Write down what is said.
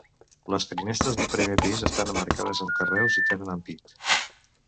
Les finestres del primer pis estan emmarcades amb carreus i tenen ampit.